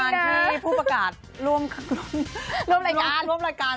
เกียรติอาการที่ผู้ประกาศร่วมรายการ